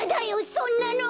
そんなの！